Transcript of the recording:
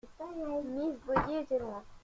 Miss Dobby était loin.